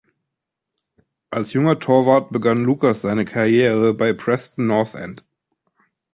Als junger Torwart begann Lucas seine Karriere bei Preston North End.